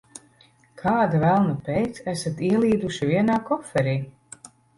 Kāda velna pēc esat ielīduši vienā koferī?